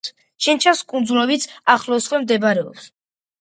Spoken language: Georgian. ჩინჩას კუნძულებიც ახლოსვე მდებარეობს.